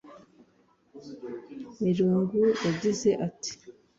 Miring’u yagize ati